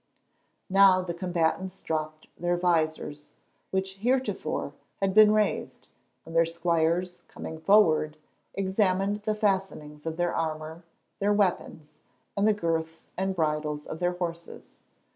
Now the combatants dropped their visors, which heretofore had been raised, and their squires, coming forward, examined the fastenings of their armour, their weapons, and the girths and bridles of their horses.